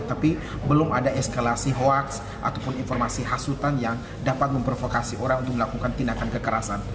tapi belum ada eskalasi hoax ataupun informasi hasutan yang dapat memprovokasi orang untuk melakukan tindakan kekerasan